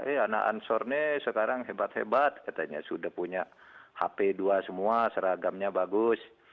eh anak ansur ini sekarang hebat hebat katanya sudah punya hp dua semua seragamnya bagus